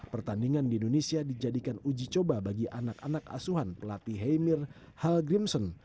pertandingan di indonesia dijadikan uji coba bagi anak anak asuhan pelatih heymir halgrimson